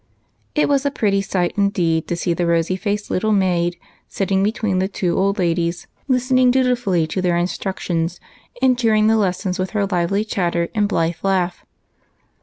It was a pretty sight to see the rosy faced little maid sitting between the two old ladies, listening du tifully to their instructions, and cheering the lessons with her lively chatter and blithe laugh.